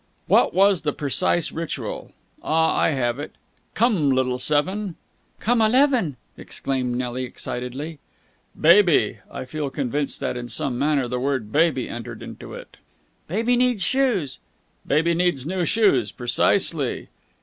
"What was the precise ritual? Ah! I have it, 'Come, little seven!'" "'Come, eleven!'" exclaimed Nelly excitedly. "'Baby....' I feel convinced that in some manner the word baby entered into it." "'Baby needs new shoes!'" "'Baby needs new shoes!' Precisely!"